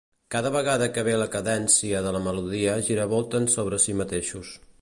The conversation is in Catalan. Cada vegada que ve la cadència de la melodia giravolten sobre si mateixos.